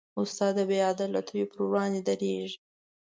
استاد د بېعدالتیو پر وړاندې دریږي.